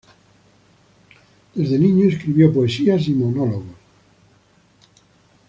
Desde niño escribió poesías y monólogos.